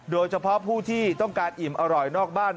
โดยเฉพาะผู้ที่ต้องการอิ่มอร่อยนอกบ้าน